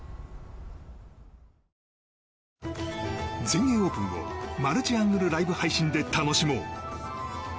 全英オープンをマルチアングルライブ配信で楽しもう。